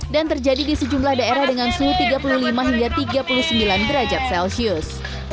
dan terjadi di sejumlah daerah dengan suhu tiga puluh lima hingga tiga puluh sembilan derajat celcius